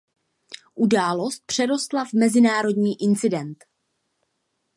Událost přerostla v mezinárodní incident.